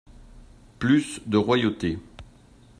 Plus de royauté!